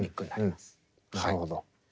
なるほど。